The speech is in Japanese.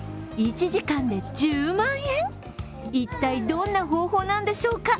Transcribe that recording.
一体どんな方法なんでしょうか？